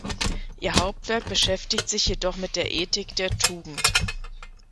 Ihr Hauptwerk beschäftigt sich jedoch mit der Ethik der Tugend.